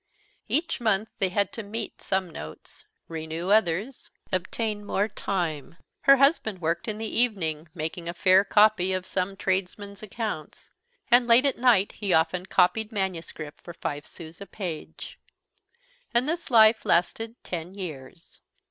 Each month they had to meet some notes, renew others, obtain more time. Her husband worked in the evening making a fair copy of some tradesman's accounts, and late at night he often copied manuscript for five sous a page. And this life lasted ten years.